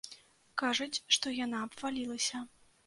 Кажуць, што яна абвалілася.